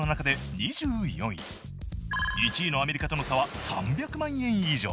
１位のアメリカとの差は３００万円以上。